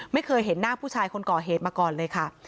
ไม่เคยเห็นหน้าผู้ชายคนก่อเหตุมาก่อนเลยค่ะ